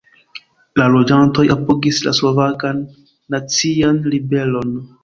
La loĝantoj apogis la Slovakan Nacian Ribelon.